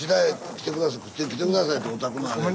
来てくださいってお宅のあれや。